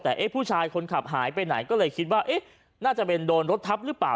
แต่เอ๊ะผู้ชายคนขับหายไปไหนก็เลยคิดว่าน่าจะเป็นโดนรถทับหรือเปล่า